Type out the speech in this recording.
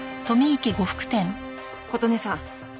琴音さん。